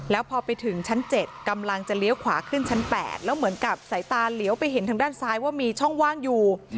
แล้วพอไปถึงชั้น๗กำลังจะเลี้ยวขวาขึ้นชั้น๘แล้วเหมือนกับสายตาเหลียวไปเห็นทางด้านซ้ายว่ามีช่องว่างอยู่